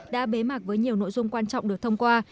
đã bế mạc với nhiều nội dung quan trọng được thông qua